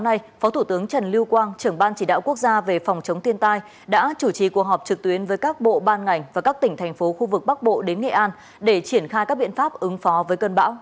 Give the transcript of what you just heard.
để triển khai các biện pháp ứng phó với cơn bão